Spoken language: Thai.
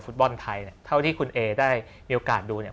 แมทตอนที่จอดันไทยเนสซันโดนใบแดง